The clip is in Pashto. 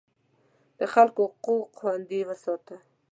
د خلکو حقوق خوندي وساته.